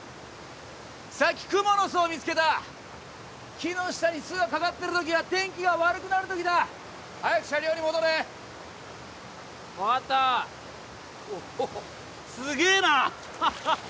さっきくもの巣を見つけた木の下に巣がかかってる時は天気が悪くなる時だ早く車両に戻れ分かったおおすげえなハハハ